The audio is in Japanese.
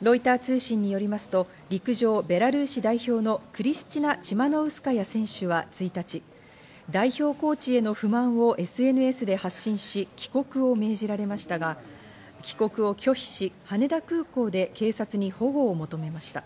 ロイター通信によりますと、陸上のベラルーシ代表のクリスチナ・チマノウスカヤ選手は１日、代表コーチへの不満をＳＮＳで発信し、帰国を命じられましたが帰国を拒否し羽田空港で警察に保護を求めました。